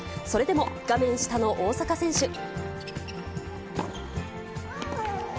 それでも画面下の大坂選手。